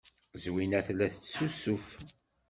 Zwina tella tessusuf.